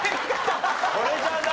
それじゃない！